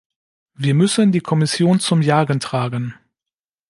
Wir müssen die Kommission zum Jagen tragen.